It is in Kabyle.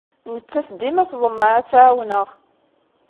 Nettat dima tḍemmeɛ ad tt-ɛawneɣ.